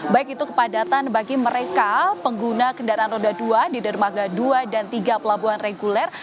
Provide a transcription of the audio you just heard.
baik itu kepadatan bagi mereka pengguna kendaraan roda dua di dermaga dua dan tiga pelabuhan reguler